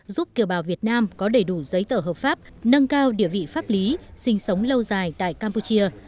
giúp kiều bào việt nam có đầy đủ giấy tờ hợp pháp nâng cao địa vị pháp lý sinh sống lâu dài tại campuchia